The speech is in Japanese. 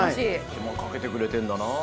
手間かけてくれてんだなぁ。